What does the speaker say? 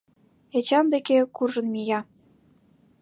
Эчан деке куржын мия.